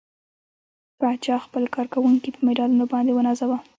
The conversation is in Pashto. پاچا خپل کارکوونکي په مډالونو باندې ونازوه.